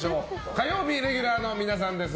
火曜日レギュラーの皆さんです。